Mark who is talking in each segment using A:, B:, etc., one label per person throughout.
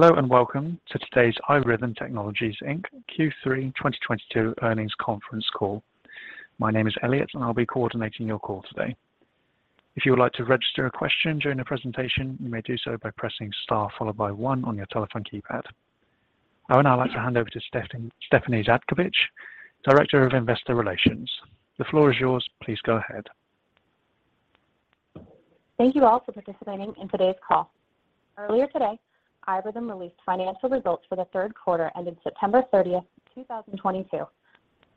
A: Hello and welcome to today's iRhythm Technologies, Inc. Q3 2022 earnings conference call. My name is Elliot, and I'll be coordinating your call today. If you would like to register a question during the presentation, you may do so by pressing star followed by one on your telephone keypad. I would now like to hand over to Stephanie Zhadkevich, Director of Investor Relations. The floor is yours. Please go ahead.
B: Thank you all for participating in today's call. Earlier today, iRhythm released financial results for the third quarter ending September 30, 2022.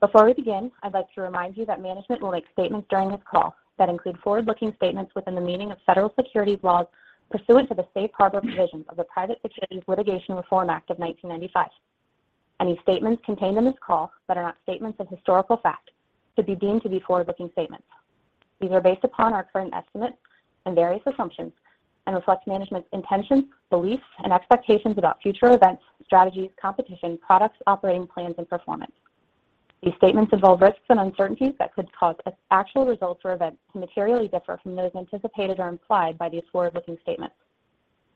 B: Before we begin, I'd like to remind you that management will make statements during this call that include forward-looking statements within the meaning of federal securities laws pursuant to the Safe Harbor provisions of the Private Securities Litigation Reform Act of 1995. Any statements contained in this call that are not statements of historical fact could be deemed to be forward-looking statements. These are based upon our current estimates and various assumptions and reflect management's intentions, beliefs, and expectations about future events, strategies, competition, products, operating plans, and performance. These statements involve risks and uncertainties that could cause actual results or events to materially differ from those anticipated or implied by these forward-looking statements.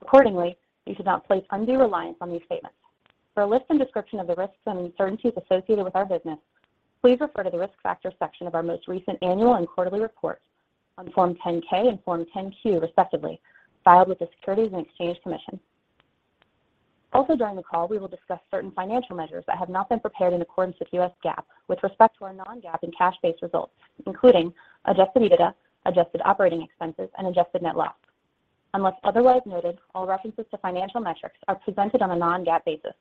B: Accordingly, you should not place undue reliance on these statements. For a list and description of the risks and uncertainties associated with our business, please refer to the Risk Factors section of our most recent annual and quarterly reports on Form 10-K and Form 10-Q, respectively, filed with the Securities and Exchange Commission. Also during the call, we will discuss certain financial measures that have not been prepared in accordance with U.S. GAAP with respect to our non-GAAP and cash-based results, including adjusted EBITDA, adjusted operating expenses, and adjusted net loss. Unless otherwise noted, all references to financial metrics are presented on a non-GAAP basis.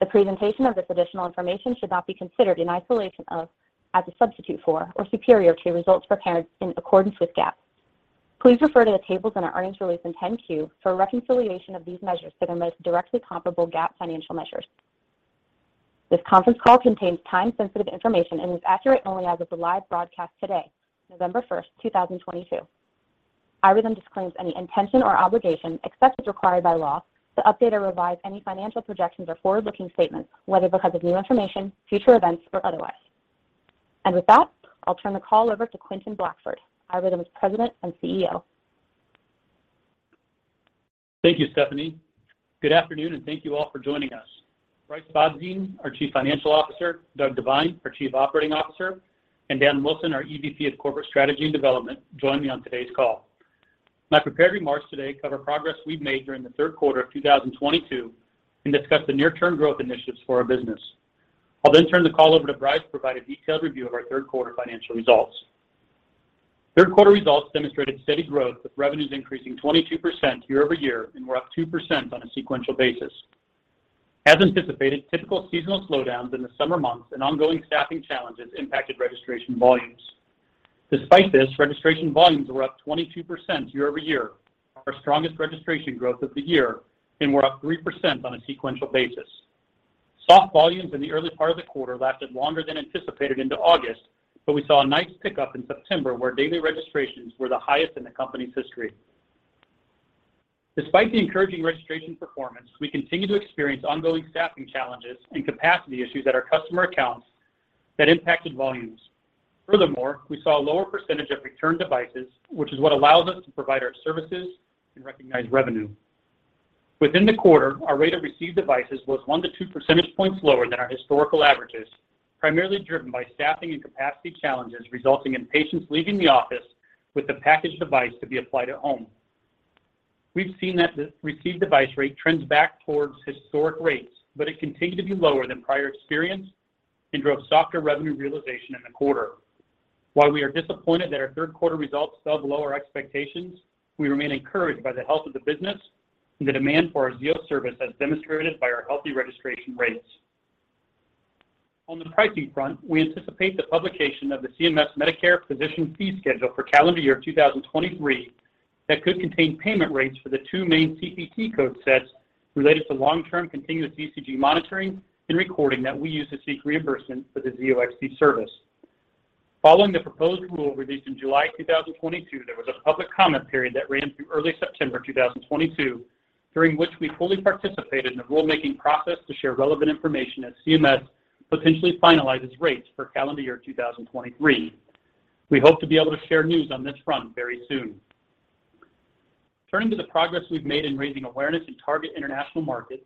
B: The presentation of this additional information should not be considered in isolation of, as a substitute for, or superior to results prepared in accordance with GAAP. Please refer to the tables in our earnings release and 10-Q for a reconciliation of these measures to their most directly comparable GAAP financial measures. This conference call contains time-sensitive information and is accurate only as of the live broadcast today, November 1st, 2022. iRhythm disclaims any intention or obligation, except as required by law, to update or revise any financial projections or forward-looking statements, whether because of new information, future events, or otherwise. With that, I'll turn the call over to Quentin Blackford, iRhythm's President and CEO.
C: Thank you, Stephanie. Good afternoon, and thank you all for joining us. Brice Bobzien, our Chief Financial Officer, Doug Devine, our Chief Operating Officer, and Dan Wilson, our EVP of Corporate Strategy and Development, join me on today's call. My prepared remarks today cover progress we've made during the third quarter of 2022 and discuss the near-term growth initiatives for our business. I'll then turn the call over to Brice to provide a detailed review of our third quarter financial results. Third quarter results demonstrated steady growth with revenues increasing 22% year-over-year, and we're up 2% on a sequential basis. As anticipated, typical seasonal slowdowns in the summer months and ongoing staffing challenges impacted registration volumes. Despite this, registration volumes were up 22% year-over-year, our strongest registration growth of the year, and were up 3% on a sequential basis. Soft volumes in the early part of the quarter lasted longer than anticipated into August, but we saw a nice pickup in September, where daily registrations were the highest in the company's history. Despite the encouraging registration performance, we continue to experience ongoing staffing challenges and capacity issues at our customer accounts that impacted volumes. Furthermore, we saw a lower percentage of returned devices, which is what allows us to provide our services and recognize revenue. Within the quarter, our rate of received devices was 1-2 percentage points lower than our historical averages, primarily driven by staffing and capacity challenges, resulting in patients leaving the office with the packaged device to be applied at home. We've seen that the received device rate trends back towards historic rates, but it continued to be lower than prior experience and drove softer revenue realization in the quarter. While we are disappointed that our third quarter results fell below our expectations, we remain encouraged by the health of the business and the demand for our Zio Service as demonstrated by our healthy registration rates. On the pricing front, we anticipate the publication of the CMS Medicare physician fee schedule for calendar year 2023 that could contain payment rates for the two main CPT code sets related to long-term continuous ECG monitoring and recording that we use to seek reimbursement for the Zio XT service. Following the proposed rule released in July 2022, there was a public comment period that ran through early September 2022, during which we fully participated in the rulemaking process to share relevant information as CMS potentially finalizes rates for calendar year 2023. We hope to be able to share news on this front very soon. Turning to the progress we've made in raising awareness in target international markets,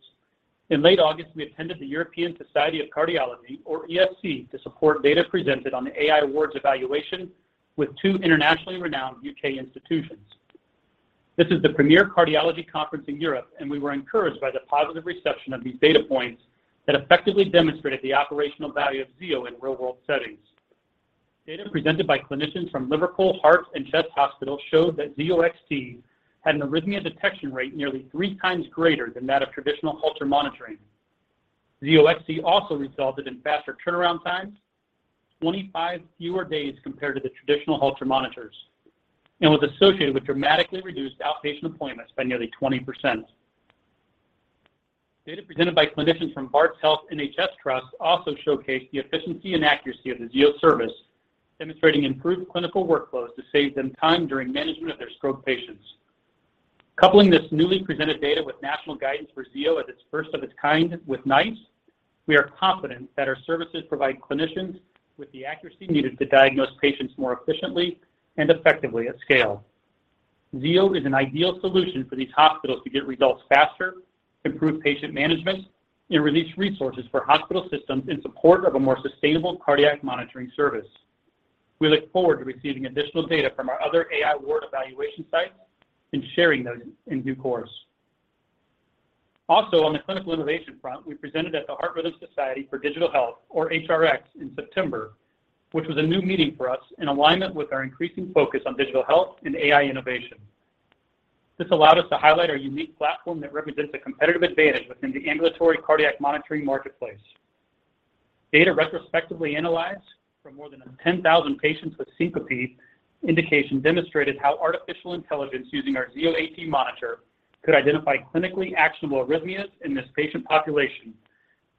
C: in late August, we attended the European Society of Cardiology, or ESC, to support data presented on the AI Awards evaluation with two internationally renowned U.K. institutions. This is the premier cardiology conference in Europe, and we were encouraged by the positive reception of these data points that effectively demonstrated the operational value of Zio in real-world settings. Data presented by clinicians from Liverpool Heart and Chest Hospital showed that Zio XT had an arrhythmia detection rate nearly three times greater than that of traditional Holter monitoring. Zio XT also resulted in faster turnaround times, 25 fewer days compared to the traditional Holter monitors, and was associated with dramatically reduced outpatient appointments by nearly 20%. Data presented by clinicians from Barts Health NHS Trust also showcased the efficiency and accuracy of the Zio Service, demonstrating improved clinical workflows to save them time during management of their stroke patients. Coupling this newly presented data with national guidance for Zio as its first of its kind with NICE. We are confident that our services provide clinicians with the accuracy needed to diagnose patients more efficiently and effectively at scale. Zio is an ideal solution for these hospitals to get results faster, improve patient management, and release resources for hospital systems in support of a more sustainable cardiac monitoring service. We look forward to receiving additional data from our other AI Award evaluation sites and sharing those in due course. Also, on the clinical innovation front, we presented at the Heart Rhythm Society for Digital Health, or HRX, in September, which was a new meeting for us in alignment with our increasing focus on digital health and AI innovation. This allowed us to highlight our unique platform that represents a competitive advantage within the ambulatory cardiac monitoring marketplace. Data retrospectively analyzed from more than 10,000 patients with syncope indication demonstrated how artificial intelligence using our Zio AT monitor could identify clinically actionable arrhythmias in this patient population,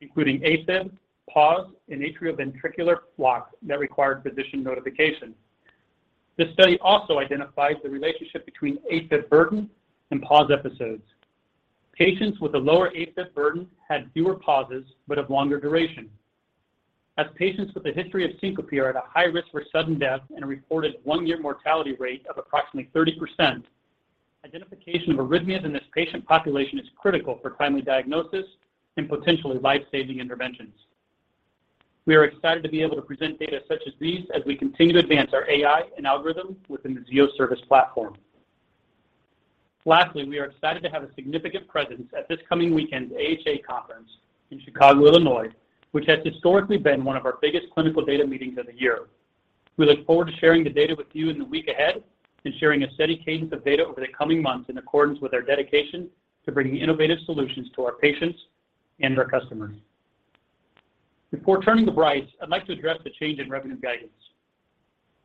C: including AFib, pause, and atrioventricular blocks that required physician notification. This study also identifies the relationship between AFib burden and pause episodes. Patients with a lower AFib burden had fewer pauses but of longer duration. As patients with a history of syncope are at a high risk for sudden death and a reported one-year mortality rate of approximately 30%, identification of arrhythmias in this patient population is critical for timely diagnosis and potentially life-saving interventions. We are excited to be able to present data such as these as we continue to advance our AI and algorithm within the Zio Service platform. Lastly, we are excited to have a significant presence at this coming weekend's AHA conference in Chicago, Illinois, which has historically been one of our biggest clinical data meetings of the year. We look forward to sharing the data with you in the week ahead and sharing a steady cadence of data over the coming months in accordance with our dedication to bringing innovative solutions to our patients and our customers. Before turning to Brice, I'd like to address the change in revenue guidance.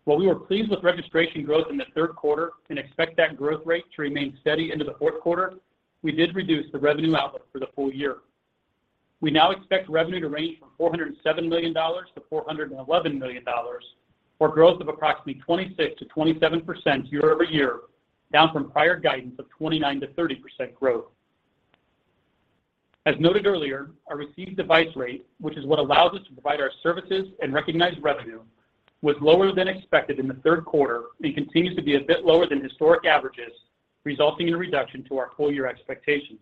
C: While we were pleased with registration growth in the third quarter and expect that growth rate to remain steady into the fourth quarter, we did reduce the revenue outlook for the full-year. We now expect revenue to range from $407 million-$411 million, or growth of approximately 26%-27% year-over-year, down from prior guidance of 29%-30% growth. As noted earlier, our received device rate, which is what allows us to provide our services and recognize revenue, was lower than expected in the third quarter and continues to be a bit lower than historic averages, resulting in a reduction to our full-year expectations.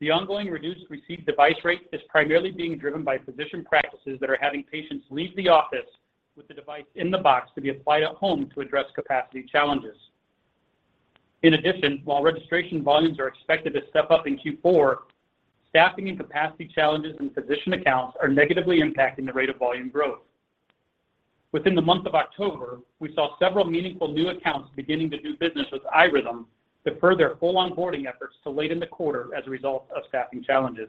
C: The ongoing reduced received device rate is primarily being driven by physician practices that are having patients leave the office with the device in the box to be applied at home to address capacity challenges. In addition, while registration volumes are expected to step up in Q4, staffing and capacity challenges in physician accounts are negatively impacting the rate of volume growth. Within the month of October, we saw several meaningful new accounts beginning to do business with iRhythm, defer their full onboarding efforts till late in the quarter as a result of staffing challenges.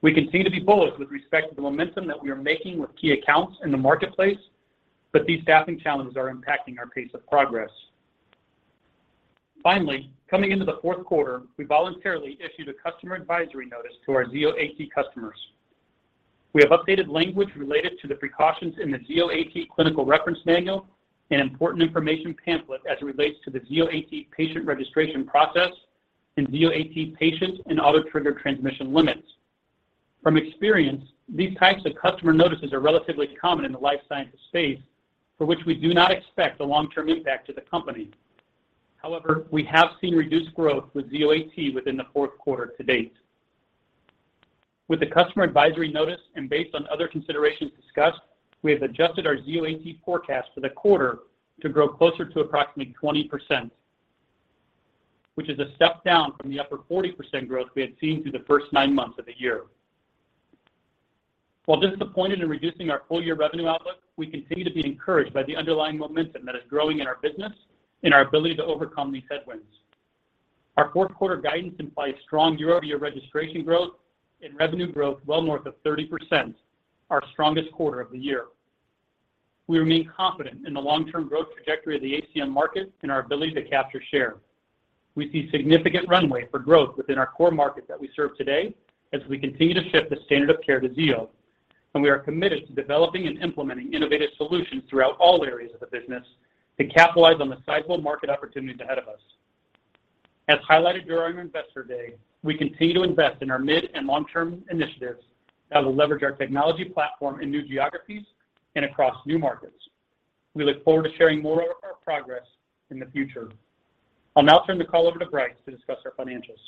C: We continue to be bold with respect to the momentum that we are making with key accounts in the marketplace, but these staffing challenges are impacting our pace of progress. Finally, coming into the fourth quarter, we voluntarily issued a customer advisory notice to our Zio AT customers. We have updated language related to the precautions in the Zio AT Clinical Reference Manual and Important Information pamphlet as it relates to the Zio AT patient registration process and Zio AT patient and auto trigger transmission limits. From experience, these types of customer notices are relatively common in the life sciences space, for which we do not expect a long-term impact to the company. However, we have seen reduced growth with Zio AT within the fourth quarter to date. With the customer advisory notice and based on other considerations discussed, we have adjusted our Zio AT forecast for the quarter to grow closer to approximately 20%, which is a step down from the upper 40% growth we had seen through the first nine months of the year. While disappointed in reducing our full-year revenue outlook, we continue to be encouraged by the underlying momentum that is growing in our business and our ability to overcome these headwinds. Our fourth-quarter guidance implies strong year-over-year registration growth and revenue growth well north of 30%, our strongest quarter of the year. We remain confident in the long-term growth trajectory of the ACM market and our ability to capture share. We see significant runway for growth within our core markets that we serve today as we continue to shift the standard of care to Zio, and we are committed to developing and implementing innovative solutions throughout all areas of the business to capitalize on the sizable market opportunities ahead of us. As highlighted during Investor Day, we continue to invest in our mid- and long-term initiatives that will leverage our technology platform in new geographies and across new markets. We look forward to sharing more of our progress in the future. I'll now turn the call over to Brice to discuss our financials.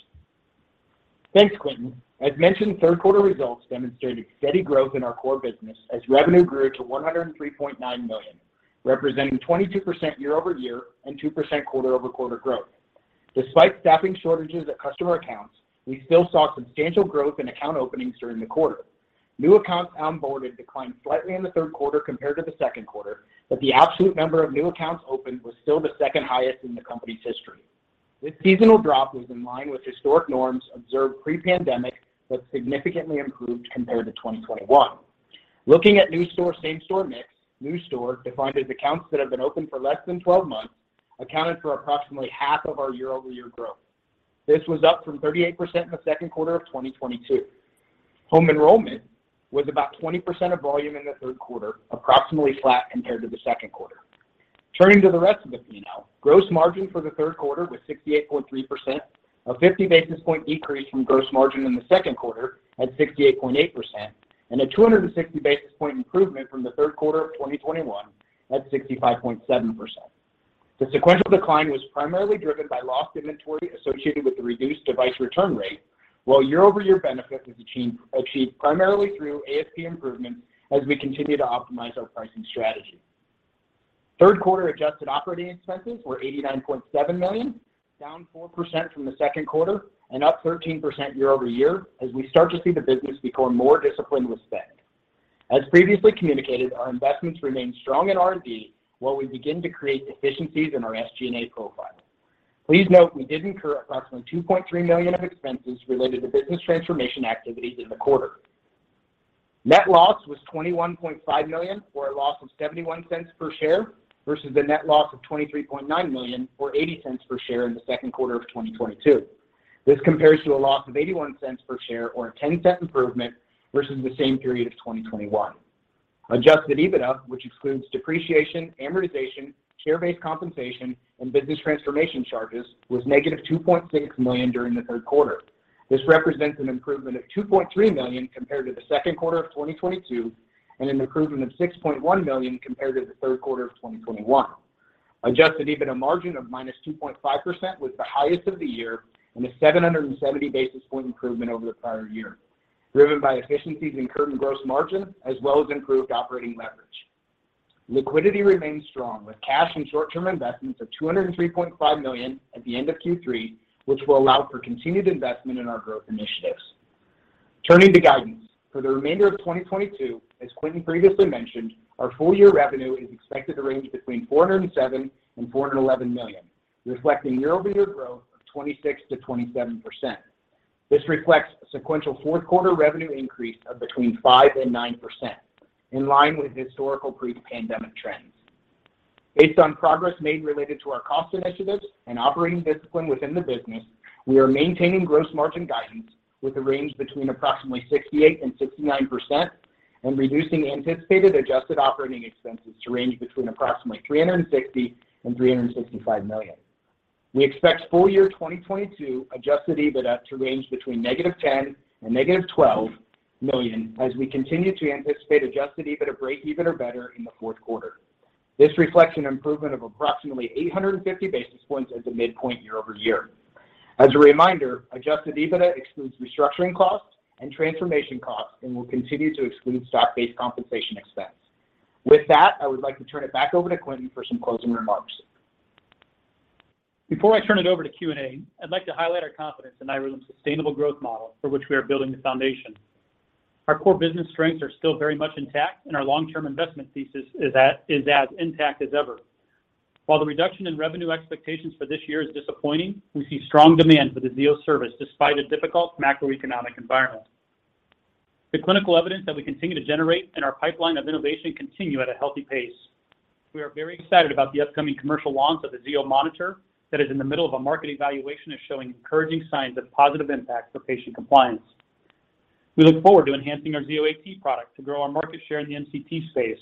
D: Thanks, Quentin. As mentioned, third quarter results demonstrated steady growth in our core business as revenue grew to $103.9 million, representing 22% year-over-year and 2% quarter-over-quarter growth. Despite staffing shortages at customer accounts, we still saw substantial growth in account openings during the quarter. New accounts onboarded declined slightly in the third quarter compared to the second quarter, but the absolute number of new accounts opened was still the second highest in the company's history. This seasonal drop was in line with historic norms observed pre-pandemic, but significantly improved compared to 2021. Looking at new store, same store mix, new store, defined as accounts that have been open for less than 12 months, accounted for approximately half of our year-over-year growth. This was up from 38% in the second quarter of 2022. Home enrollment was about 20% of volume in the third quarter, approximately flat compared to the second quarter. Turning to the rest of the P&L now. Gross margin for the third quarter was 68.3%, a 50 basis point increase from gross margin in the second quarter at 68.8% and a 260 basis point improvement from the third quarter of 2021 at 65.7%. The sequential decline was primarily driven by lost inventory associated with the reduced device return rate, while year-over-year benefit was achieved primarily through ASP improvements as we continue to optimize our pricing strategy. Third quarter adjusted operating expenses were $89.7 million, down 4% from the second quarter and up 13% year-over-year as we start to see the business become more disciplined with spend. As previously communicated, our investments remain strong in R&D while we begin to create efficiencies in our SG&A profile. Please note we did incur approximately $2.3 million of expenses related to business transformation activities in the quarter. Net loss was $21.5 million, or a loss of $0.71 per share, versus a net loss of $23.9 million or $0.80 per share in the second quarter of 2022. This compares to a loss of $0.81 per share or a $0.10 improvement versus the same period of 2021. Adjusted EBITDA, which excludes depreciation, amortization, share-based compensation, and business transformation charges, was $-2.6 million during the third quarter. This represents an improvement of $2.3 million compared to the second quarter of 2022 and an improvement of $6.1 million compared to the third quarter of 2021. Adjusted EBITDA margin of -2.5% was the highest of the year and a 770 basis point improvement over the prior year, driven by efficiencies in current gross margin as well as improved operating leverage. Liquidity remains strong with cash and short-term investments of $203.5 million at the end of Q3, which will allow for continued investment in our growth initiatives. Turning to guidance, for the remainder of 2022, as Quentin previously mentioned, our full-year revenue is expected to range between $407 million and $411 million, reflecting year-over-year growth of 26%-27%. This reflects a sequential fourth quarter revenue increase of between 5% and 9%, in line with historical pre-pandemic trends. Based on progress made related to our cost initiatives and operating discipline within the business, we are maintaining gross margin guidance with a range between approximately 68% and 69% and reducing anticipated adjusted operating expenses to range between approximately $360 million and $365 million. We expect full-year 2022 adjusted EBITDA to range between $-10 million and $-12 million as we continue to anticipate adjusted EBITDA break-even or better in the fourth quarter. This reflects an improvement of approximately 850 basis points as a midpoint year-over-year. As a reminder, adjusted EBITDA excludes restructuring costs and transformation costs and will continue to exclude stock-based compensation expense. With that, I would like to turn it back over to Quentin for some closing remarks.
C: Before I turn it over to Q&A, I'd like to highlight our confidence in iRhythm's sustainable growth model for which we are building the foundation. Our core business strengths are still very much intact, and our long-term investment thesis is as intact as ever. While the reduction in revenue expectations for this year is disappointing, we see strong demand for the Zio Service despite a difficult macroeconomic environment. The clinical evidence that we continue to generate in our pipeline of innovation continue at a healthy pace. We are very excited about the upcoming commercial launch of the Zio monitor that is in the middle of a market evaluation and showing encouraging signs of positive impact for patient compliance. We look forward to enhancing our Zio AT product to grow our market share in the MCT space,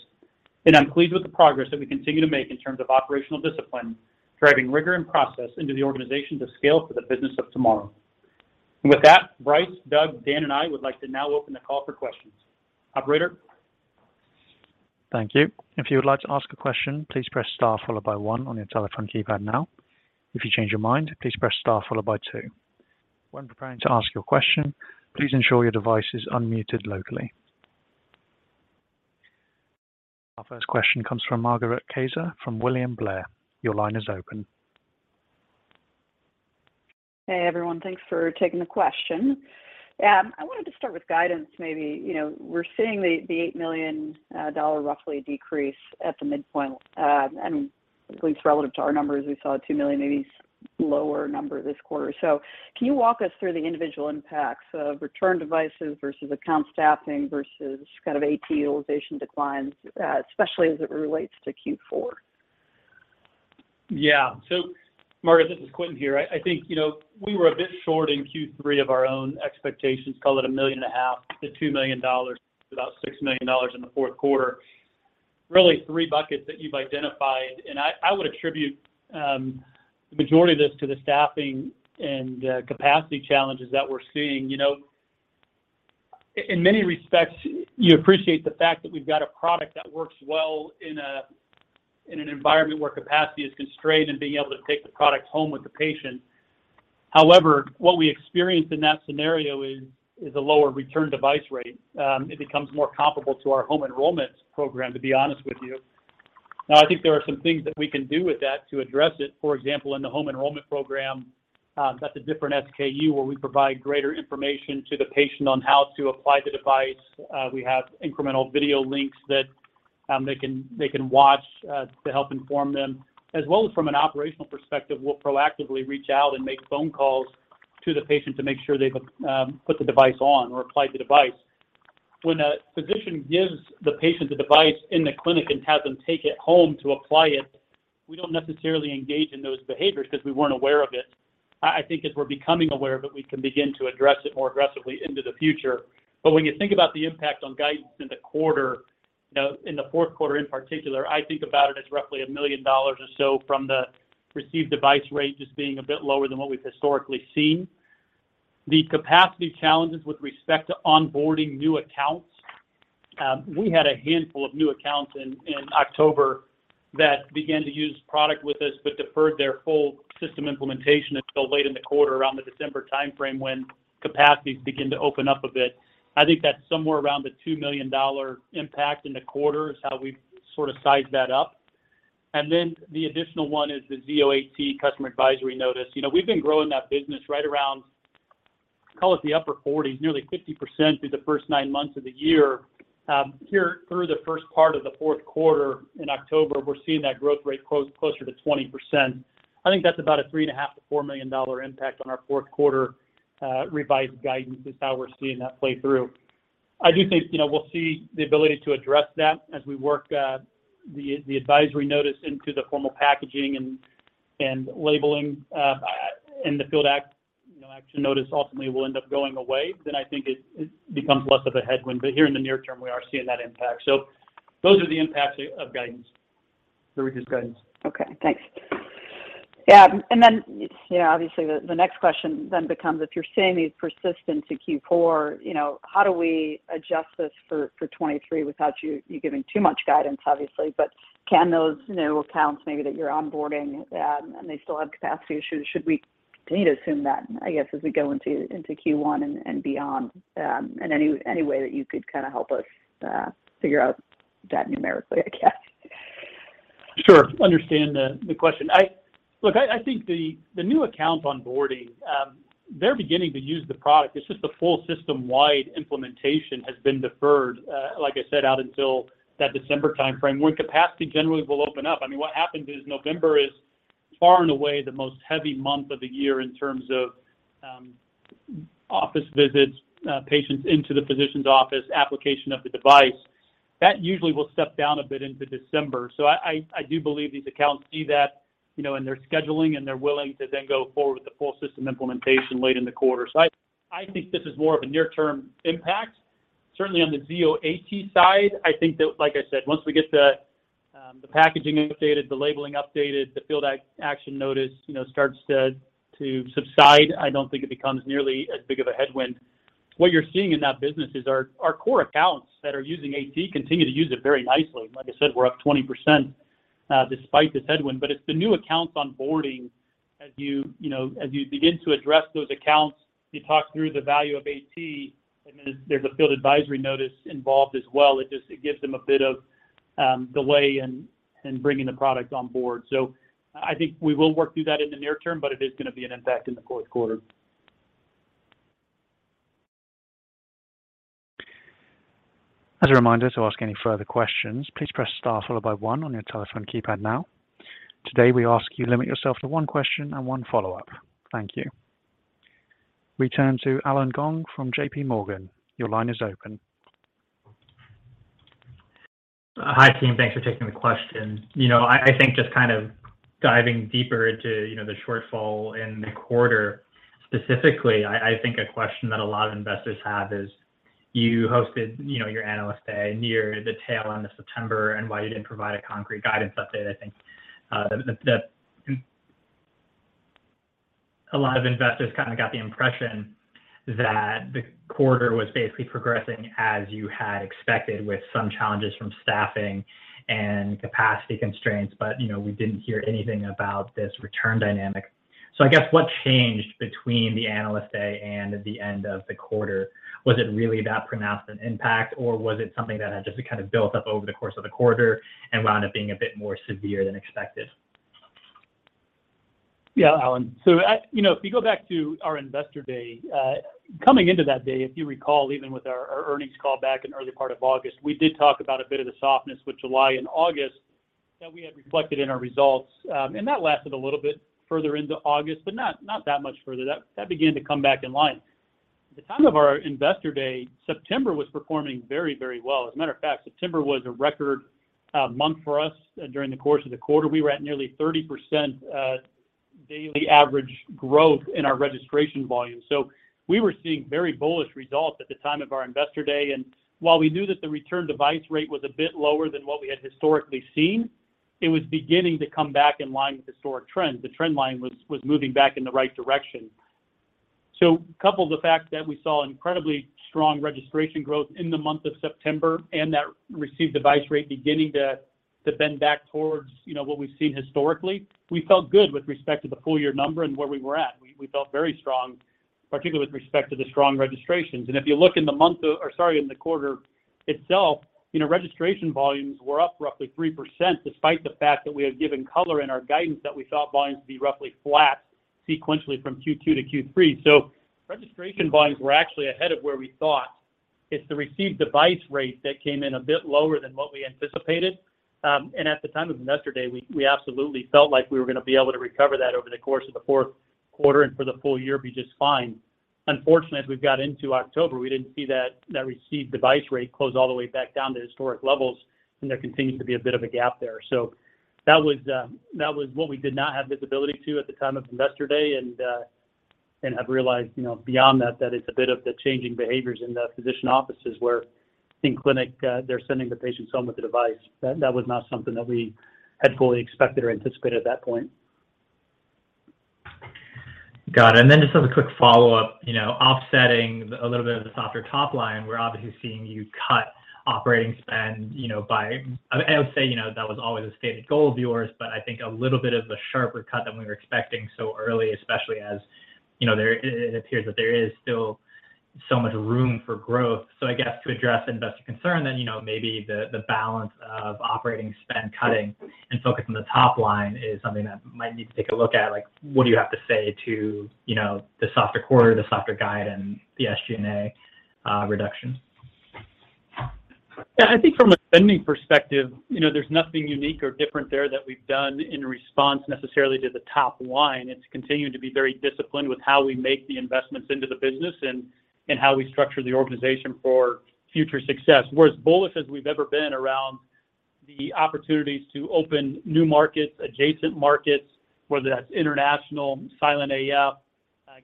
C: and I'm pleased with the progress that we continue to make in terms of operational discipline, driving rigor and process into the organization to scale for the business of tomorrow. With that, Brice, Doug, Dan, and I would like to now open the call for questions. Operator?
A: Thank you. If you would like to ask a question, please press star followed by one on your telephone keypad now. If you change your mind, please press star followed by two. When preparing to ask your question, please ensure your device is unmuted locally. Our first question comes from Margaret Kaczor from William Blair. Your line is open.
E: Hey everyone, thanks for taking the question. I wanted to start with guidance, maybe. You know, we're seeing the $8 million roughly decrease at the midpoint, and at least relative to our numbers, we saw a $2 million, maybe lower number this quarter. Can you walk us through the individual impacts of return devices versus account staffing versus kind of AT utilization declines, especially as it relates to Q4?
C: Yeah. Margaret, this is Quentin here. I think, you know, we were a bit short in Q3 of our own expectations, call it $1.5 million-$2 million, about $6 million in the fourth quarter. Really three buckets that you've identified, and I would attribute the majority of this to the staffing and capacity challenges that we're seeing. You know, in many respects, you appreciate the fact that we've got a product that works well in an environment where capacity is constrained and being able to take the product home with the patient. However, what we experience in that scenario is a lower return device rate. It becomes more comparable to our home enrollment program, to be honest with you. Now, I think there are some things that we can do with that to address it. For example, in the home enrollment program, that's a different SKU where we provide greater information to the patient on how to apply the device. We have incremental video links that they can watch to help inform them. As well as from an operational perspective, we'll proactively reach out and make phone calls to the patient to make sure they've put the device on or applied the device. When a physician gives the patient the device in the clinic and has them take it home to apply it, we don't necessarily engage in those behaviors 'cause we weren't aware of it. I think as we're becoming aware of it, we can begin to address it more aggressively into the future. When you think about the impact on guidance in the quarter, you know, in the fourth quarter in particular, I think about it as roughly $1 million or so from the received device rate just being a bit lower than what we've historically seen. The capacity challenges with respect to onboarding new accounts, we had a handful of new accounts in October that began to use product with us, but deferred their full system implementation until late in the quarter, around the December timeframe, when capacities begin to open up a bit. I think that's somewhere around the $2 million impact in the quarter, is how we sort of sized that up. Then the additional one is the Zio AT customer advisory notice. You know, we've been growing that business right around, call it the upper 40, nearly 50% through the first nine months of the year. Here, through the first part of the fourth quarter in October, we're seeing that growth rate closer to 20%. I think that's about a $3.5 million-$4 million impact on our fourth quarter revised guidance is how we're seeing that play through. I do think, you know, we'll see the ability to address that as we work the advisory notice into the formal packaging, and labeling and the field action notice ultimately will end up going away, then I think it becomes less of a headwind. But here in the near term, we are seeing that impact. Those are the impacts of guidance, the reduced guidance.
E: Okay, thanks. Yeah, you know, obviously the next question then becomes, if you're seeing this persistence in Q4, you know, how do we adjust this for 2023 without you giving too much guidance, obviously? Can those, you know, accounts maybe that you're onboarding, and they still have capacity issues, should we continue to assume that, I guess, as we go into Q1 and beyond? Any way that you could kind of help us figure out that numerically, I guess.
C: Sure. I understand the question. Look, I think the new account onboarding, they're beginning to use the product. It's just the full system-wide implementation has been deferred, like I said, out until that December timeframe when capacity generally will open up. I mean, what happens is November is far and away the most heavy month of the year in terms of office visits, patients into the physician's office, application of the device. That usually will step down a bit into December. I do believe these accounts see that, you know, in their scheduling, and they're willing to then go forward with the full system implementation late in the quarter. I think this is more of a near-term impact. Certainly on the Zio AT side, I think that, like I said, once we get the packaging updated, the labeling updated, the field action notice, you know, starts to subside, I don't think it becomes nearly as big of a headwind. What you're seeing in that business is our core accounts that are using AT continue to use it very nicely. Like I said, we're up 20%, despite this headwind. It's the new accounts onboarding as you know, as you begin to address those accounts, you talk through the value of AT, and then there's a field advisory notice involved as well. It gives them a bit of delay in bringing the product on board. I think we will work through that in the near term, but it is gonna be an impact in the fourth quarter.
A: As a reminder to ask any further questions, please press star followed by one on your telephone keypad now. Today, we ask you limit yourself to one question and one follow-up. Thank you. We turn to Allen Gong from JPMorgan. Your line is open.
F: Hi, team. Thanks for taking the question. You know, I think just kind of diving deeper into, you know, the shortfall in the quarter specifically. I think a question that a lot of investors have is you hosted, you know, your analyst day near the tail end of September, and why you didn't provide a concrete guidance update. I think a lot of investors kind of got the impression that the quarter was basically progressing as you had expected with some challenges from staffing and capacity constraints, but, you know, we didn't hear anything about this return dynamic. I guess what changed between the analyst day and the end of the quarter? Was it really that pronounced an impact, or was it something that had just kind of built up over the course of the quarter and wound up being a bit more severe than expected?
C: Yeah, Allen. You know, if you go back to our investor day, coming into that day, if you recall, even with our earnings call back in early part of August, we did talk about a bit of the softness with July and August that we had reflected in our results. That lasted a little bit further into August, but not that much further. That began to come back in line. At the time of our investor day, September was performing very, very well. As a matter of fact, September was a record month for us during the course of the quarter. We were at nearly 30% daily average growth in our registration volume. We were seeing very bullish results at the time of our investor day. While we knew that the return device rate was a bit lower than what we had historically seen, it was beginning to come back in line with historic trends. The trend line was moving back in the right direction. Couple the fact that we saw incredibly strong registration growth in the month of September and that return device rate beginning to bend back towards, you know, what we've seen historically, we felt good with respect to the full year number and where we were at. We felt very strong, particularly with respect to the strong registrations. If you look in the quarter itself, you know, registration volumes were up roughly 3% despite the fact that we had given color in our guidance that we thought volumes would be roughly flat sequentially from Q2 to Q3. Registration volumes were actually ahead of where we thought. It's the received device rate that came in a bit lower than what we anticipated. And at the time of Investor Day, we absolutely felt like we were gonna be able to recover that over the course of the fourth quarter and for the full-year be just fine. Unfortunately, as we got into October, we didn't see that received device rate close all the way back down to historic levels, and there continues to be a bit of a gap there. That was what we did not have visibility to at the time of Investor Day, and have realized, you know, beyond that it's a bit of the changing behaviors in the physician offices where in-clinic, they're sending the patients home with the device. That was not something that we had fully expected or anticipated at that point.
F: Got it. Then just as a quick follow-up, you know, offsetting a little bit of the softer top-line, we're obviously seeing you cut operating spend, you know, by... I would say, you know, that was always a stated goal of yours, but I think a little bit of a sharper cut than we were expecting so early, especially as, you know, it appears that there is still so much room for growth. I guess to address investor concern then, you know, maybe the balance of operating spend cutting and focus on the top line is something that might need to take a look at. Like, what do you have to say to, you know, the softer quarter, the softer guide, and the SG&A reduction?
C: Yeah. I think from a spending perspective, you know, there's nothing unique or different there that we've done in response necessarily to the top line. It's continued to be very disciplined with how we make the investments into the business and how we structure the organization for future success. We're as bullish as we've ever been around the opportunities to open new markets, adjacent markets, whether that's international, silent AF,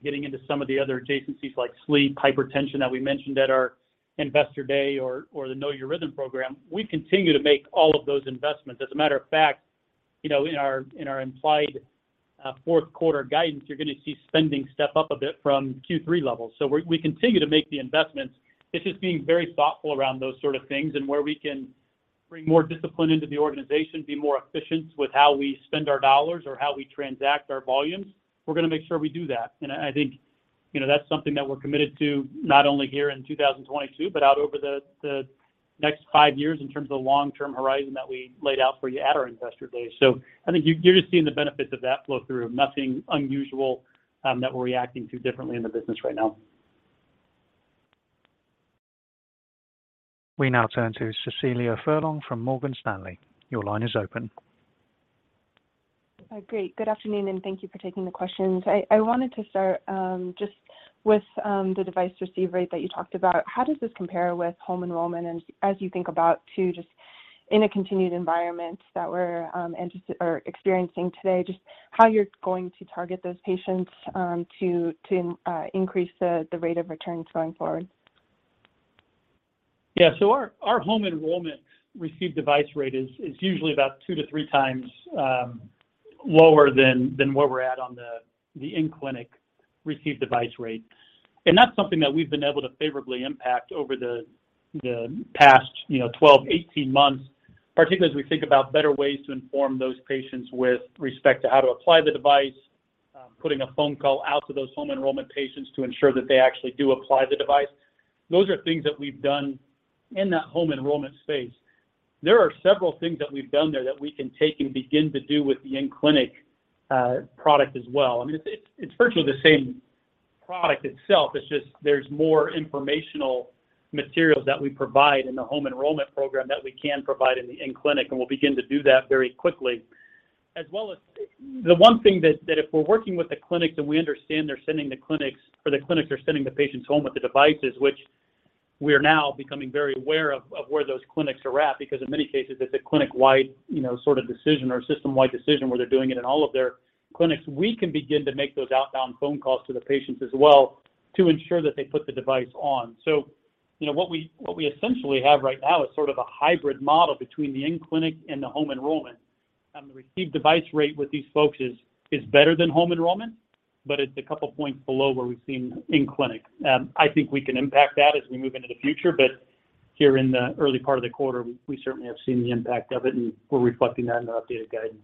C: getting into some of the other adjacencies like sleep, hypertension that we mentioned at our Investor Day or the Know Your Rhythm program. We continue to make all of those investments. As a matter of fact, you know, in our implied fourth quarter guidance, you're gonna see spending step up a bit from Q3 levels. So we continue to make the investments. It's just being very thoughtful around those sort of things and where we can bring more discipline into the organization, be more efficient with how we spend our dollars or how we transact our volumes. We're gonna make sure we do that. I think, you know, that's something that we're committed to, not only here in 2022, but out over the next five years in terms of the long-term horizon that we laid out for you at our Investor Day. I think you're just seeing the benefits of that flow through. Nothing unusual that we're reacting to differently in the business right now.
A: We now turn to Cecilia Furlong from Morgan Stanley. Your line is open.
G: Good afternoon, and thank you for taking the questions. I wanted to start just with the device return rate that you talked about. How does this compare with home enrollment? As you think about too, just in the current environment that we're interested or experiencing today, just how you're going to target those patients to increase the return rate going forward.
C: Yeah. Our home enrollment received device rate is usually about 2 times-3 times lower than where we're at on the in-clinic received device rate. That's something that we've been able to favorably impact over the past, you know, 12-18 months, particularly as we think about better ways to inform those patients with respect to how to apply the device, putting a phone call out to those home enrollment patients to ensure that they actually do apply the device. Those are things that we've done in that home enrollment space. There are several things that we've done there that we can take and begin to do with the in-clinic product as well. I mean, it's virtually the same product itself. It's just there's more informational materials that we provide in the home enrollment program that we can provide in the in-clinic, and we'll begin to do that very quickly. As well as. The one thing that if we're working with the clinics, and we understand they're sending the clinics or the clinics are sending the patients home with the devices, which we are now becoming very aware of where those clinics are at because in many cases, it's a clinic-wide, you know, sort of decision or system-wide decision where they're doing it in all of their clinics. We can begin to make those outbound phone calls to the patients as well, to ensure that they put the device on. You know, what we essentially have right now is sort of a hybrid model between the in-clinic and the home enrollment. The received device rate with these folks is better than home enrollment, but it's a couple points below where we've seen in-clinic. I think we can impact that as we move into the future, but here in the early part of the quarter, we certainly have seen the impact of it, and we're reflecting that in the updated guidance.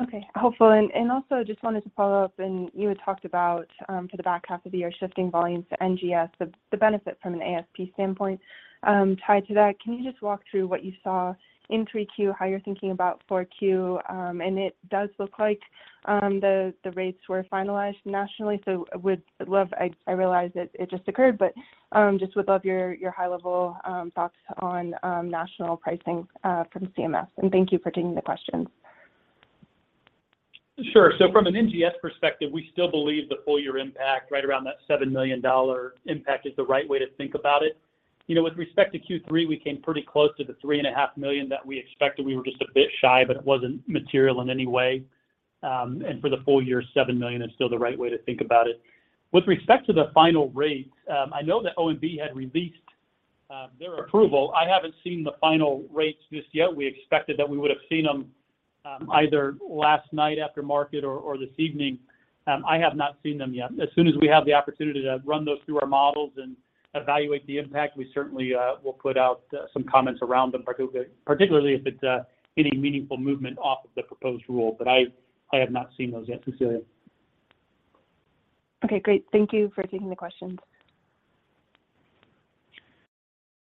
G: Okay. Helpful. Also just wanted to follow up, and you had talked about, for the back half of the year, shifting volumes to NGS, the benefit from an ASP standpoint, tied to that. Can you just walk through what you saw in 3Q, how you're thinking about 4Q? It does look like the rates were finalized nationally, so would love. I realize it just occurred, but just would love your high-level thoughts on national pricing from CMS. Thank you for taking the questions.
C: Sure. From an NGS perspective, we still believe the full-year impact, right around that $7 million impact, is the right way to think about it. You know, with respect to Q3, we came pretty close to the $3.5 million that we expected. We were just a bit shy, but it wasn't material in any way. For the full-year, $7 million is still the right way to think about it. With respect to the final rates, I know that OMB had released their approval. I haven't seen the final rates just yet. We expected that we would have seen them, either last night after market or this evening. I have not seen them yet. As soon as we have the opportunity to run those through our models and evaluate the impact, we certainly will put out some comments around them, particularly if it's any meaningful movement off of the proposed rule. I have not seen those yet, Cecilia.
G: Okay. Great. Thank you for taking the questions.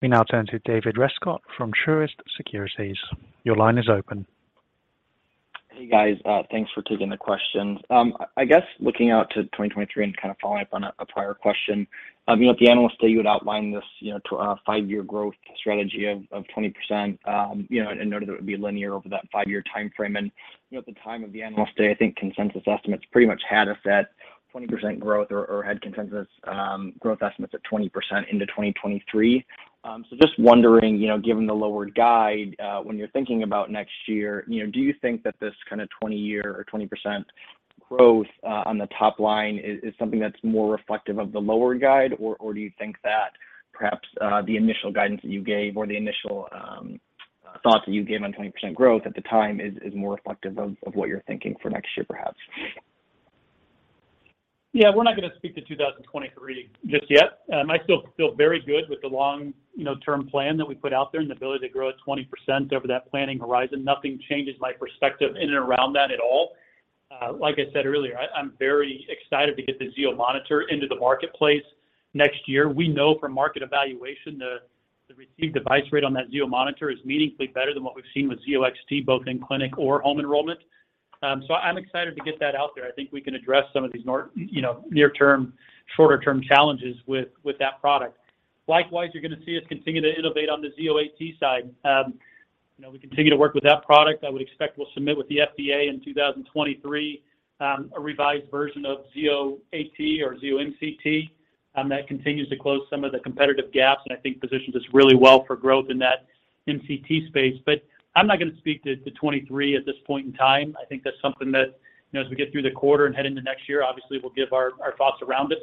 A: We now turn to David Rescott from Truist Securities. Your line is open.
H: Hey, guys. Thanks for taking the questions. I guess looking out to 2023 and kind of following up on a prior question, you know, at the Investor Day, you had outlined this, you know, to a five-year growth strategy of 20%, you know, noted that it would be linear over that five-year timeframe. You know, at the time of the analyst day, I think consensus estimates pretty much had us at 20% growth or had consensus growth estimates at 20% into 2023. Just wondering, you know, given the lower guide, when you're thinking about next year, you know, do you think that this kind of 20% or 20% growth on the top line is something that's more reflective of the lower guide, or do you think that perhaps the initial guidance that you gave or the initial thoughts that you gave on 20% growth at the time is more reflective of what you're thinking for next year, perhaps?
C: Yeah. We're not gonna speak to 2023 just yet. I still feel very good with the long, you know, term plan that we put out there and the ability to grow at 20% over that planning horizon. Nothing changes my perspective in and around that at all. Like I said earlier, I'm very excited to get the Zio monitor into the marketplace next year. We know from market evaluation the received device rate on that Zio monitor is meaningfully better than what we've seen with Zio XT, both in clinic or home enrollment. I'm excited to get that out there. I think we can address some of these more, you know, near-term, shorter-term challenges with that product. Likewise, you're gonna see us continue to innovate on the Zio AT side. You know, we continue to work with that product. I would expect we'll submit with the FDA in 2023, a revised version of Zio AT or Zio MCT, that continues to close some of the competitive gaps and I think positions us really well for growth in that MCT space. I'm not gonna speak to 2023 at this point in time. I think that's something that, you know, as we get through the quarter and head into next year, obviously we'll give our thoughts around it.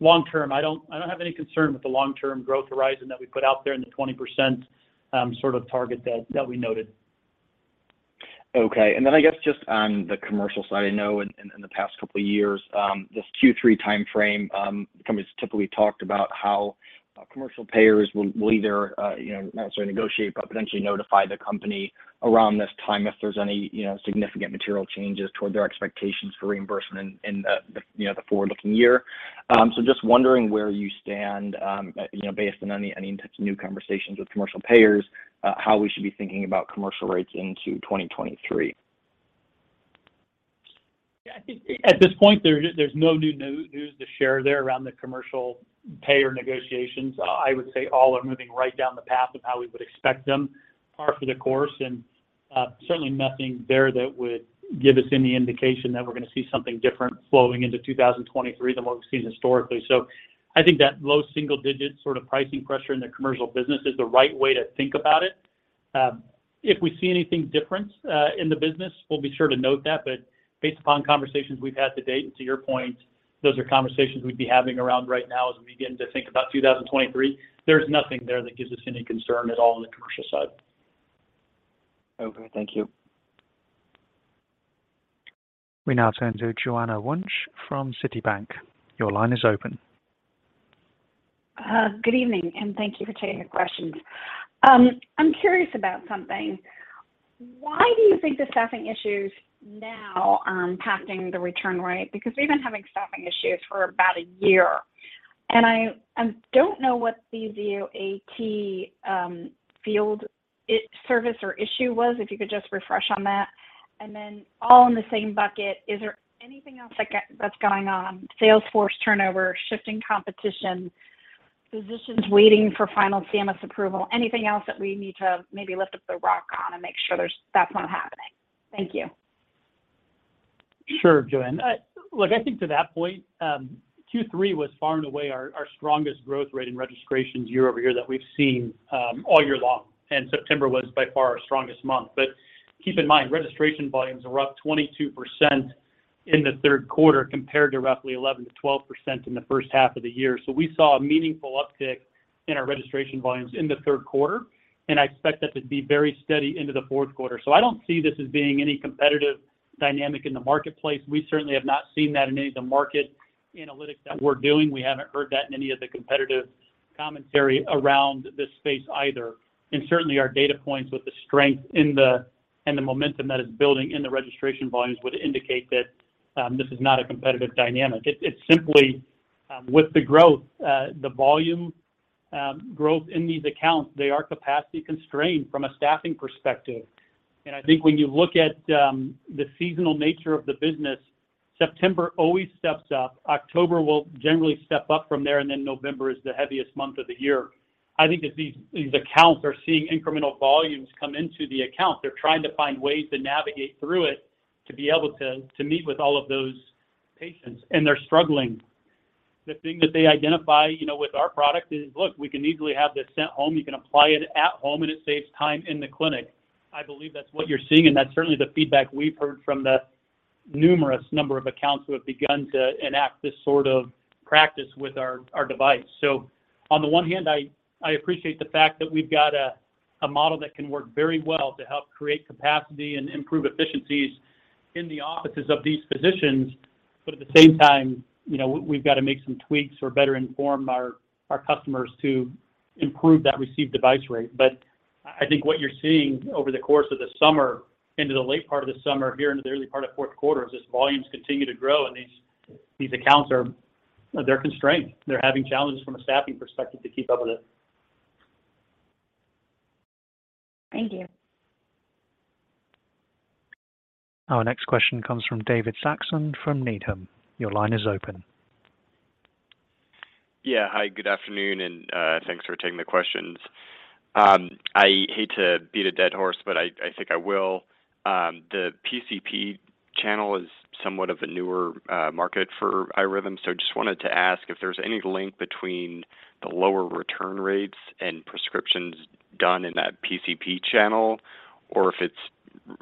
C: Long-term, I don't have any concern with the long-term growth horizon that we put out there in the 20% sort of target that we noted.
H: Okay. I guess just on the commercial side, I know in the past couple of years, this Q3 timeframe, the company's typically talked about how commercial payers will either, you know, not necessarily negotiate, but potentially notify the company around this time if there's any, you know, significant material changes toward their expectations for reimbursement in the forward-looking year. Just wondering where you stand, you know, based on any new conversations with commercial payers, how we should be thinking about commercial rates into 2023.
C: Yeah. I think at this point there's no new news to share there around the commercial payer negotiations. I would say all are moving right down the path of how we would expect them, par for the course, and, certainly nothing there that would give us any indication that we're gonna see something different flowing into 2023 than what we've seen historically. I think that low single-digit sort of pricing pressure in the commercial business is the right way to think about it. If we see anything different, in the business, we'll be sure to note that. Based upon conversations we've had to date, and to your point, those are conversations we'd be having around right now as we begin to think about 2023. There's nothing there that gives us any concern at all on the commercial side.
H: Okay. Thank you.
A: We now turn to Joanne Wuensch from Citigroup. Your line is open.
I: Good evening, and thank you for taking the questions. I'm curious about something. Why do you think the staffing issue is now impacting the return rate? Because we've been having staffing issues for about a year, and I don't know what the Zio AT field service or issue was, if you could just refresh on that. Then all in the same bucket, is there anything else that's going on, sales force turnover, shifting competition, physicians waiting for final CMS approval, anything else that we need to maybe lift up the rock on and make sure that's not happening? Thank you.
C: Sure, Joanne. Look, I think to that point, Q3 was far and away our strongest growth rate in registrations year-over-year that we've seen, all year long, and September was by far our strongest month. Keep in mind, registration volumes were up 22% in the third quarter compared to roughly 11%-12% in the first half of the year. We saw a meaningful uptick in our registration volumes in the third quarter, and I expect that to be very steady into the fourth quarter. I don't see this as being any competitive dynamic in the marketplace. We certainly have not seen that in any of the market analytics that we're doing. We haven't heard that in any of the competitive commentary around this space either. Certainly, our data points with the strength and the momentum that is building in the registration volumes would indicate that this is not a competitive dynamic. It's simply with the growth the volume growth in these accounts, they are capacity constrained from a staffing perspective. I think when you look at the seasonal nature of the business, September always steps up. October will generally step up from there, and then November is the heaviest month of the year. I think that these accounts are seeing incremental volumes come into the accounts. They're trying to find ways to navigate through it to be able to meet with all of those patients, and they're struggling. The thing that they identify, you know, with our product is, look, we can easily have this sent home. You can apply it at home, and it saves time in the clinic. I believe that's what you're seeing, and that's certainly the feedback we've heard from the numerous number of accounts who have begun to enact this sort of practice with our device. On the one hand, I appreciate the fact that we've got a model that can work very well to help create capacity and improve efficiencies in the offices of these physicians. At the same time, you know, we've got to make some tweaks or better inform our customers to improve that received device rate. I think what you're seeing over the course of the summer into the late part of the summer here into the early part of fourth quarter is just volumes continue to grow, and these accounts are constrained. They're having challenges from a staffing perspective to keep up with it.
I: Thank you.
A: Our next question comes from David Saxon from Needham. Your line is open.
J: Yeah. Hi, good afternoon, and thanks for taking the questions. I hate to beat a dead horse, but I think I will. The PCP channel is somewhat of a newer market for iRhythm, so just wanted to ask if there's any link between the lower return rates and prescriptions done in that PCP channel, or if it's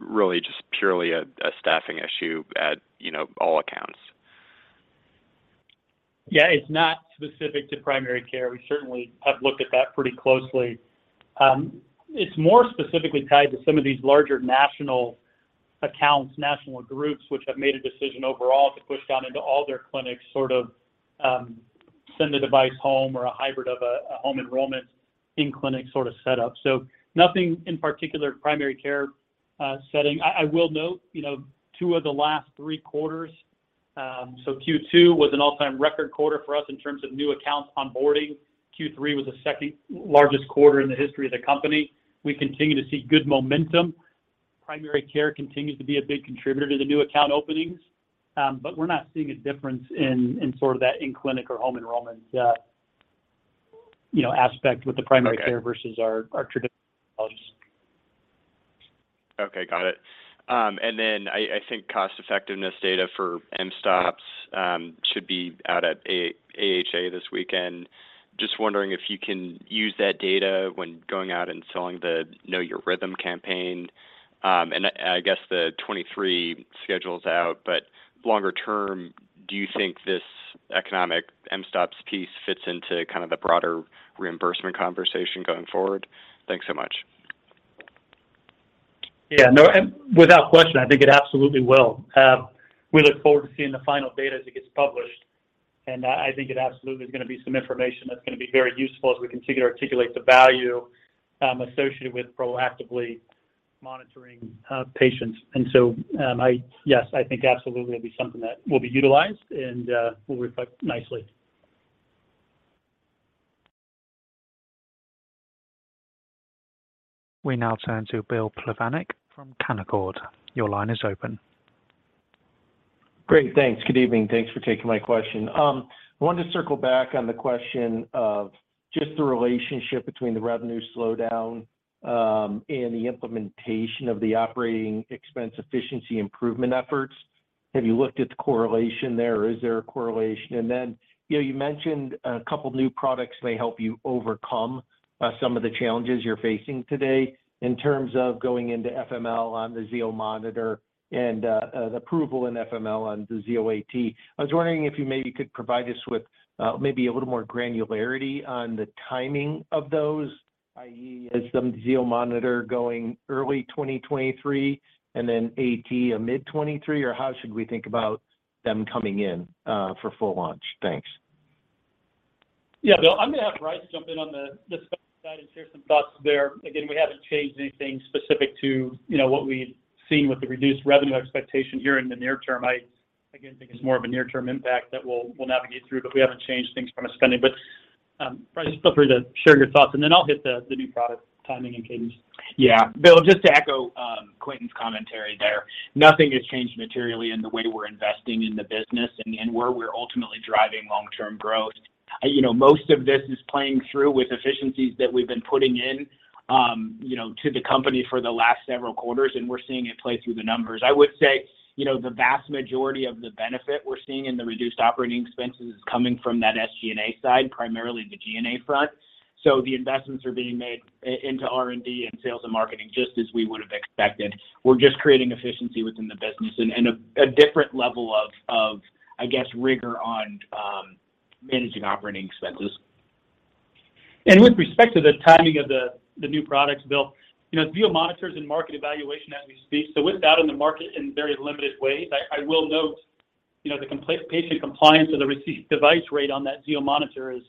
J: really just purely a staffing issue at, you know, all accounts.
C: Yeah. It's not specific to primary care. We certainly have looked at that pretty closely. It's more specifically tied to some of these larger national accounts, national groups, which have made a decision overall to push down into all their clinics, sort of, send the device home, or a hybrid of a home enrollment in-clinic sort of setup. Nothing in particular primary care setting. I will note, you know, two of the last three quarters, so Q2 was an all-time record quarter for us in terms of new accounts onboarding. Q3 was the second-largest quarter in the history of the company. We continue to see good momentum. Primary care continues to be a big contributor to the new account openings, but we're not seeing a difference in sort of that in-clinic or home enrollment, you know, aspect with the primary care.
J: Okay
C: Versus our traditional models.
J: Okay. Got it. I think cost-effectiveness data for mSToPS should be out at AHA this weekend. Just wondering if you can use that data when going out and selling the Know Your Rhythm campaign. I guess the 2023 schedule's out, but longer term, do you think this economic mSToPS piece fits into kind of the broader reimbursement conversation going forward? Thanks so much.
C: Yeah, no, and without question, I think it absolutely will. We look forward to seeing the final data as it gets published, and I think it absolutely is gonna be some information that's gonna be very useful as we continue to articulate the value associated with proactively monitoring patients. Yes, I think absolutely it'll be something that will be utilized and will reflect nicely.
A: We now turn to Bill Plovanic from Canaccord. Your line is open.
K: Great. Thanks. Good evening. Thanks for taking my question. I wanted to circle back on the question of just the relationship between the revenue slowdown and the implementation of the operating expense efficiency improvement efforts. Have you looked at the correlation there, or is there a correlation? You know, you mentioned a couple new products may help you overcome some of the challenges you're facing today in terms of going into FML on the Zio monitor and the approval in FML on the Zio AT. I was wondering if you maybe could provide us with maybe a little more granularity on the timing of those, i.e., is the Zio monitor going early 2023 and then AT mid 2023, or how should we think about them coming in for full launch? Thanks.
C: Yeah, Bill, I'm gonna have Brice jump in on the side and share some thoughts there. Again, we haven't changed anything specific to, you know, what we've seen with the reduced revenue expectation here in the near term. I, again, think it's more of a near-term impact that we'll navigate through, but we haven't changed things from a spending. But, Brice, feel free to share your thoughts, and then I'll hit the new product timing and cadence.
D: Yeah. Bill, just to echo Quentin's commentary there, nothing has changed materially in the way we're investing in the business and where we're ultimately driving long-term growth. You know, most of this is playing through with efficiencies that we've been putting in, you know, to the company for the last several quarters, and we're seeing it play through the numbers. I would say, you know, the vast majority of the benefit we're seeing in the reduced operating expenses is coming from that SG&A side, primarily the G&A front. The investments are being made into R&D, and sales, and marketing, just as we would have expected. We're just creating efficiency within the business and a different level of, I guess, rigor on managing operating expenses.
C: With respect to the timing of the new products, Bill, you know, Zio monitors in market evaluation as we speak, so with that in the market in very limited ways, I will note, you know, the patient compliance of the received device rate on that Zio monitor is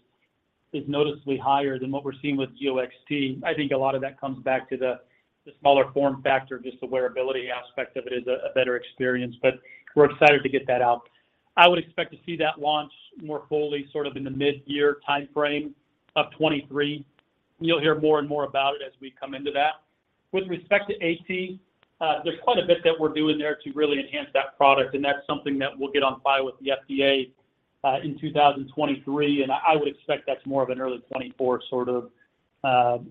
C: noticeably higher than what we're seeing with Zio XT. I think a lot of that comes back to the smaller form factor, just the wearability aspect of it is a better experience, but we're excited to get that out. I would expect to see that launch more fully sort of in the mid-year timeframe of 2023. You'll hear more and more about it as we come into that. With respect to AT, there's quite a bit that we're doing there to really enhance that product, and that's something that we'll get on file with the FDA in 2023, and I would expect that's more of an early 2024 sort of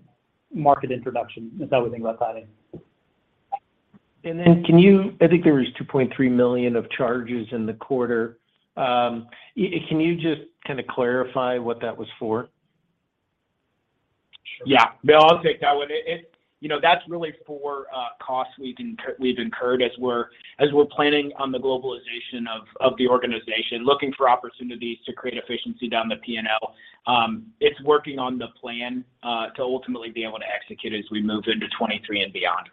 C: market introduction is how we think about that.
K: I think there was $2.3 million of charges in the quarter. Can you just kinda clarify what that was for?
D: Yeah. Bill, I'll take that one. You know, that's really for costs we've incurred as we're planning on the globalization of the organization, looking for opportunities to create efficiency down the P&L. It's working on the plan to ultimately be able to execute as we move into 2023 and beyond.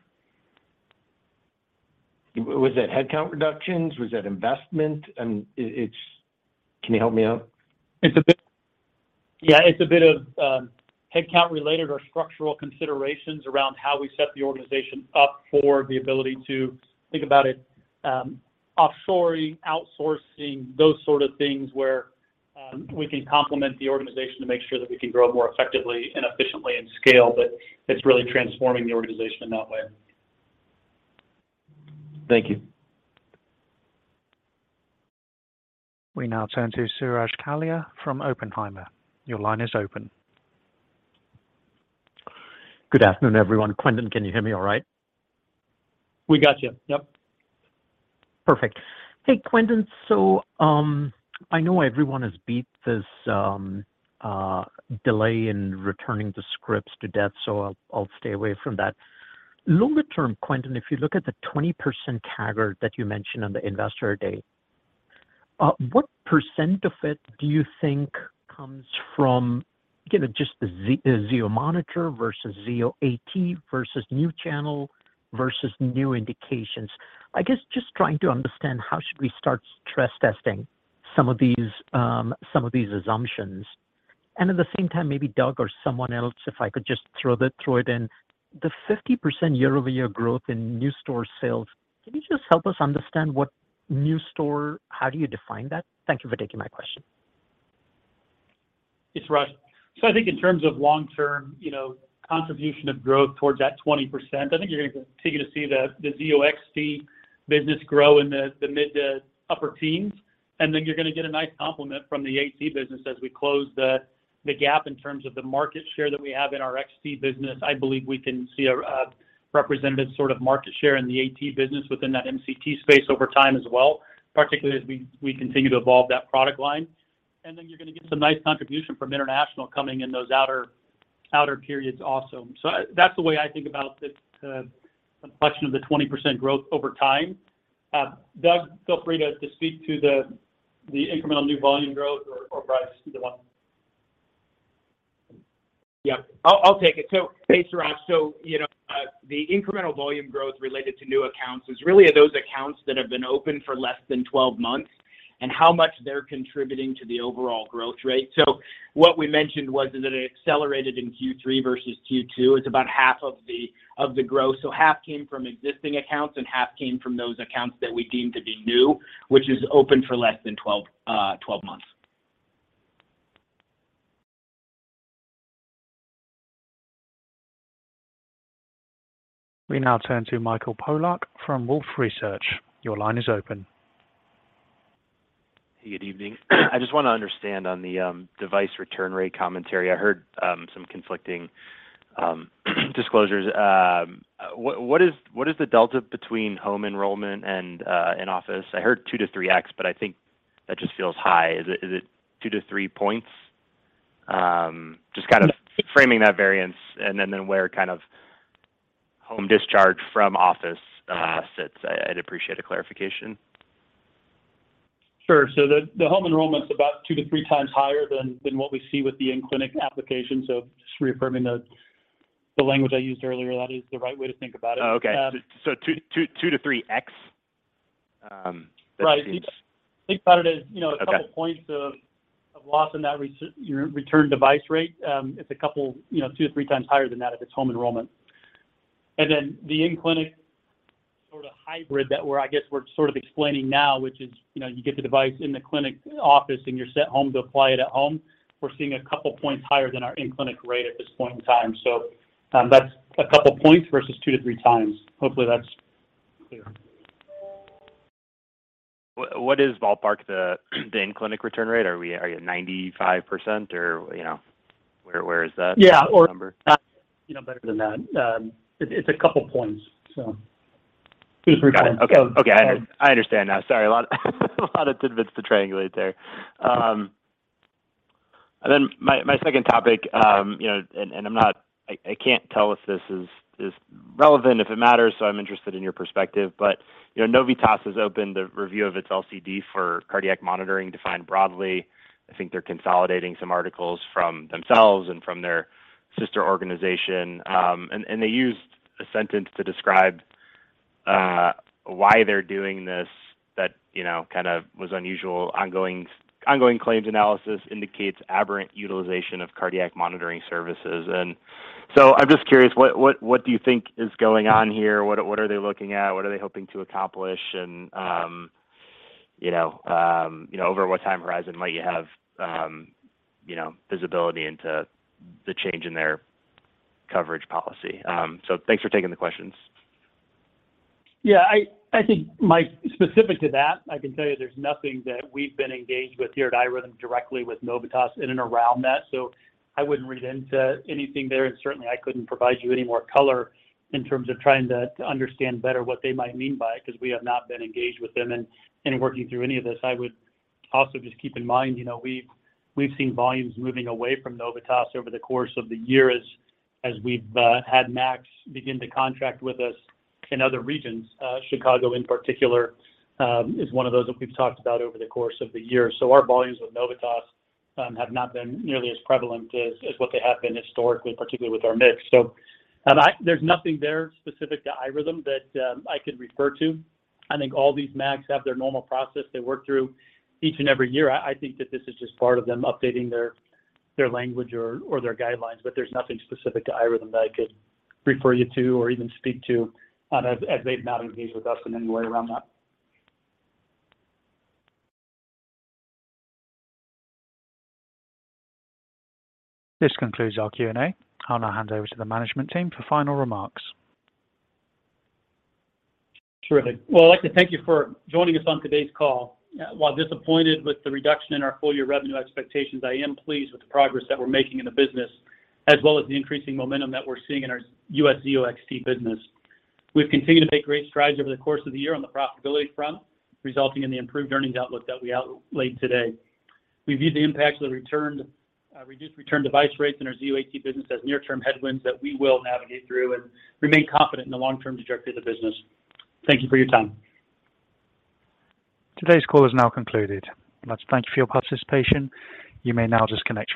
K: Was that headcount reductions? Was that investment? I mean, it's. Can you help me out?
C: It's a bit of headcount-related or structural considerations around how we set the organization up for the ability to think about it, offshoring, outsourcing, those sort of things, where we can complement the organization to make sure that we can grow more effectively and efficiently in scale, but it's really transforming the organization in that way.
K: Thank you.
A: We now turn to Suraj Kalia from Oppenheimer. Your line is open.
L: Good afternoon, everyone. Quentin, can you hear me all right?
C: We got you. Yep.
L: Perfect. Hey, Quentin. I know everyone has beat this delay in returning the scripts to death, so I'll stay away from that. Longer-term, Quentin, if you look at the 20% target that you mentioned on the investor day, what percent of it do you think comes from, you know, just the Zio monitor versus Zio AT, versus new channel, versus new indications? I guess just trying to understand how should we start stress testing some of these assumptions. At the same time, maybe Doug or someone else, if I could just throw it in, the 50% year-over-year growth in new store sales, can you just help us understand what new store, how do you define that? Thank you for taking my question.
C: Thanks Suraj. I think in terms of long-term, you know, contribution of growth towards that 20%, I think you're gonna continue to see the Zio XT business grow in the mid to upper teens. You're gonna get a nice compliment from the AT business as we close the gap in terms of the market share that we have in our XT business. I believe we can see a representative sort of market share in the AT business within that MCT space over time as well, particularly as we continue to evolve that product line. You're gonna get some nice contribution from international coming in those outer periods also. That's the way I think about this complexion of the 20% growth over time. Doug, feel free to speak to the incremental new volume growth or provide us with the volume.
M: Yeah. I'll take it. Thanks, Suraj. You know, the incremental volume growth related to new accounts is really those accounts that have been open for less than 12 months and how much they're contributing to the overall growth rate. What we mentioned was that it accelerated in Q3 versus Q2. It's about half of the growth. Half came from existing accounts and half came from those accounts that we deemed to be new, which is open for less than 12 months.
A: We now turn to Mike Polark from Wolfe Research. Your line is open.
N: Hey, good evening. I just wanna understand on the device return rate commentary. I heard some conflicting disclosures. What is the delta between home enrollment and in-office? I heard 2x-3x, but I think that just feels high. Is it 2-3 points? Just kind of framing that variance, and then where kind of home discharge from office sits. I'd appreciate a clarification.
C: Sure. The home enrollments about 2 times-3 times higher than what we see with the in-clinic application. Just reaffirming the language I used earlier, that is the right way to think about it.
N: Oh, okay. 2x-3x, that seems-
C: Right. Think about it as, you know.
N: Okay
C: A couple of points of loss in that your returned device rate. It's a couple, you know, 2 times-3 times higher than that if it's home enrollment. Then the in-clinic sort of hybrid that I guess we're sort of explaining now, which is, you know, you get the device in the clinic office, and you're sent home to apply it at home. We're seeing a couple points higher than our in-clinic rate at this point in time. That's a couple of points versus 2 times-3 times. Hopefully that's clear.
N: What is ballpark the in-clinic return rate? Are you at 95% or, you know, where is that number?
C: Yeah. You know, better than that. It's a couple of points. Please forget.
N: Got it. Okay. I understand now. Sorry. A lot of tidbits to triangulate there. Then my second topic, you know, I'm not, I can't tell if this is relevant, if it matters, so I'm interested in your perspective. You know, Novitas has opened a review of its LCD for cardiac monitoring, defined broadly. I think they're consolidating some articles from themselves and from their sister organization. They used a sentence to describe why they're doing this that, you know, kind of was unusual. Ongoing claims analysis indicates aberrant utilization of cardiac monitoring services. I'm just curious, what do you think is going on here? What are they looking at? What are they hoping to accomplish? You know, you know, over what time horizon might you have, you know, visibility into the change in their coverage policy? Thanks for taking the questions.
C: Yeah. I think, Mike, specific to that, I can tell you there's nothing that we've been engaged with here at iRhythm directly with Novitas in and around that. So I wouldn't read into anything there, and certainly I couldn't provide you any more color in terms of trying to understand better what they might mean by it because we have not been engaged with them in working through any of this. I would also just keep in mind, you know, we've seen volumes moving away from Novitas over the course of the year as we've had MACs begin to contract with us in other regions. Chicago in particular, is one of those that we've talked about over the course of the year. Our volumes with Novitas have not been nearly as prevalent as what they have been historically, particularly with our mix. There's nothing there specific to iRhythm that I could refer to. I think all these MACs have their normal process they work through each and every year. I think that this is just part of them updating their language or their guidelines. There's nothing specific to iRhythm that I could refer you to or even speak to, as they've not engaged with us in any way around that.
A: This concludes our Q&A. I'll now hand over to the management team for final remarks.
C: Terrific. Well, I'd like to thank you for joining us on today's call. While disappointed with the reduction in our full-year revenue expectations, I am pleased with the progress that we're making in the business, as well as the increasing momentum that we're seeing in our U.S. Zio XT business. We've continued to make great strides over the course of the year on the profitability front, resulting in the improved earnings outlook that we outlined today. We view the impacts of the returned, reduced return device rates in our Zio AT business as near-term headwinds that we will navigate through and remain confident in the long-term trajectory of the business. Thank you for your time.
A: Today's call is now concluded. Let's thank you for your participation. You may now disconnect your line.